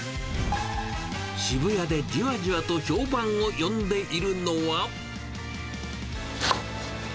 渋谷でじわじわと評判を呼んでいるのは。